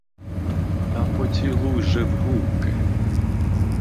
Та поцілуй же в губки.